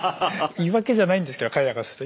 言い訳じゃないんですけど彼らからすると。